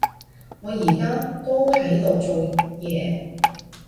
我而家都喺度做嘢